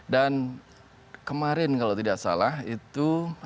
dan kemarin kalau tidak salah itu